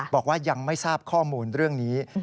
บอกว่ายังไม่ทราบข้อมูลเรื่องนี้